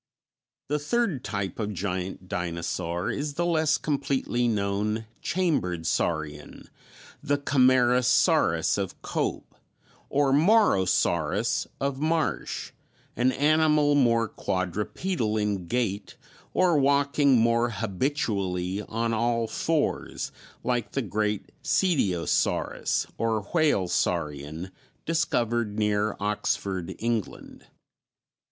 The third type of giant dinosaur is the less completely known "chambered saurian," the Camarasaurus of Cope or Morosaurus of Marsh, an animal more quadrupedal in gait or walking more habitually on all fours, like the great Cetiosaurus, or "whale saurian," discovered near Oxford, England.